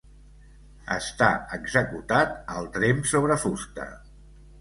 Està executat al tremp sobre fusta.